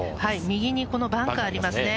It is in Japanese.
右にこのバンカーありますね。